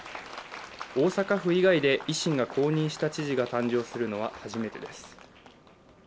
大阪府以外で維新が公認した知事が誕生するのは初めてです。